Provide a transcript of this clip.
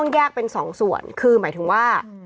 แยกเป็นสองส่วนคือหมายถึงว่า